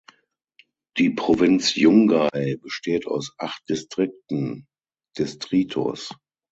Die Provinz Yungay besteht aus acht Distrikten ("distritos").